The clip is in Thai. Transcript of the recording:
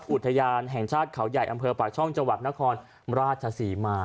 อุทยานแห่งชาติเขาใหญ่อำเภอปากช่องจังหวัดนครราชศรีมา